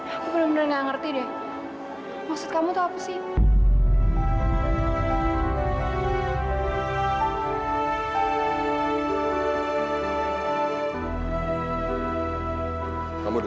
aku benar benar tidak mengerti deh